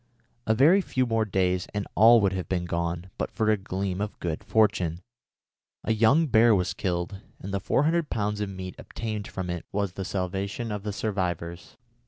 A very few more days and all would have gone but for a gleam of good fortune. A young bear was killed, and the 400 pounds of meat obtained from it was the salvation of the survivors.